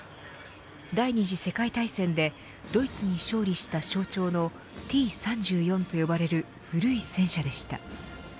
第二次世界大戦でドイツに勝利した象徴のＴ‐３４と呼ばれる古い戦車でした。